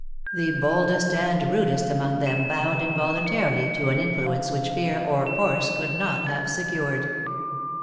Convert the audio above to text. The boldest and rudest among them bowed involuntarily to an influence which fear or force could not have secured.